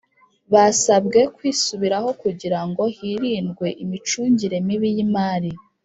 basabwe kwisubiraho kugira ngo hirindwe imicungire mibi y’imari